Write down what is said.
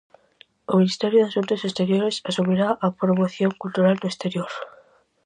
O Ministerio de Asuntos Exteriores asumirá a promoción cultural no exterior.